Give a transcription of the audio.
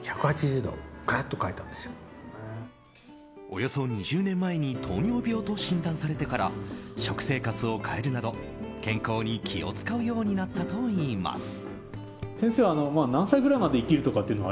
およそ２０年前に糖尿病と診断されてから食生活を変えるなど健康に気を遣うようになったといいます。